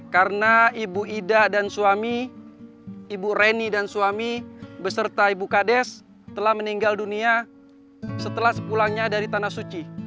karena ibu ida dan suami ibu reni dan suami beserta ibu kades telah meninggal dunia setelah sepulangnya dari tanah suci